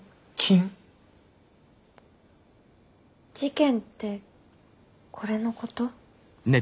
事件ってこれのこと？